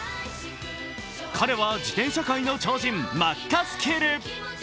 彼は自転車界の超人マッカスキル。